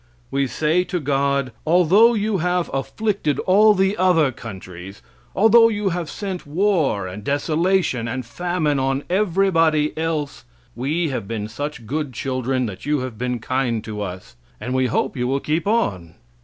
We say to God, "Although You have afflicted all the other countries, although You have sent war, and desolation, and famine on everybody else, we have been such good children that you have been kind to us, and we hope you will keep on."